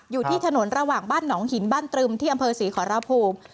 อยู่ที่ถนนระหว่างบ้านหนองหินบ้านตรึมที่อำเภอศรีขอรภูมิ